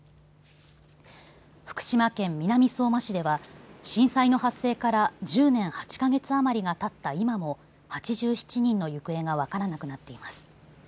福島県南相馬市では震災の発生から１０年８か月余りがたった今も８７人の行方が分からなくなっています。